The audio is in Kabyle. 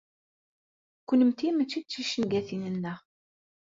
Kennemti mačči d ticengatin-nneɣ.